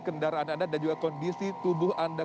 kendaraan anda dan juga kondisi tubuh anda